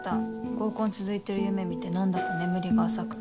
合コン続いてる夢見て何だか眠りが浅くて。